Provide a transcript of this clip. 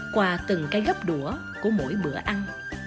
qua từng cái gấp đũa của mỗi bữa ăn